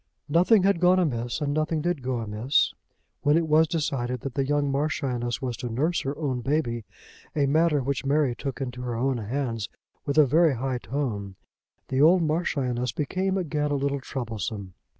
Nothing had gone amiss, and nothing did go amiss. When it was decided that the young Marchioness was to nurse her own baby, a matter which Mary took into her own hands with a very high tone, the old Marchioness became again a little troublesome.